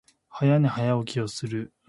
早寝、早起きをする。